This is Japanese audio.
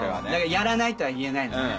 「やらない」とは言えないのね。